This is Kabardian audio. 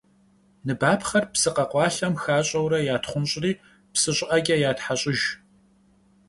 Ныбапхъэр псы къэкъуалъэм хащӏэурэ ятхъунщӏри псы щӏыӏэкӏэ ятхьэщӏыж.